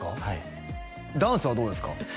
はいダンスはどうですか？